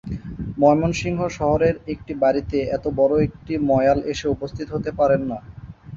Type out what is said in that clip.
ময়মনসিংহ শহরের একটি বাড়িতে এত বড় একটি ময়াল এসে উপস্থিত হতে পারে না।